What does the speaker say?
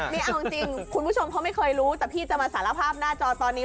นี่เอาจริงคุณผู้ชมเขาไม่เคยรู้แต่พี่จะมาสารภาพหน้าจอตอนนี้